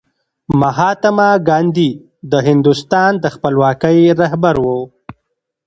مهاتما ګاندي د هندوستان د خپلواکۍ رهبر و.